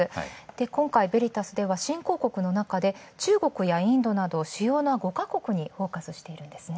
今回ヴェリタスでは、中国やインドなどの主要な５カ国にフォーカスしているんですね。